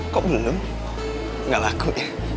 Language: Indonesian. kok belum nggak laku ya